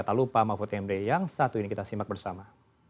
tak lupa mahfud md yang satu ini kita simak bersama